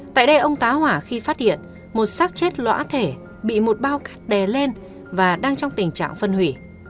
tại đây ông tá hỏa khi phát hiện một sắc chết lõa thể bị một bao cắt đè lên và đang trong tình trạng phân hủy